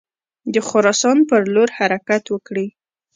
د خراسان پر لور حرکت وکړي.